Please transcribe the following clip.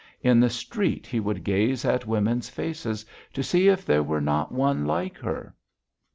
In the street he would gaze at women's faces to see if there were not one like her....